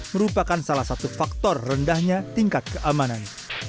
merupakan salah satu faktor rendahnya tingkat keamanan